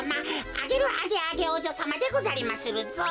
アゲル・アゲアゲおうじょさまでござりまするぞ。